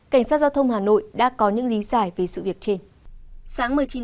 cảnh sát giao thông hà nội đã có những lý giải về sự việc trên